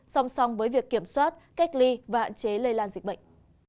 song song với việc kiểm soát cách ly và hạn chế lây lan dịch bệnh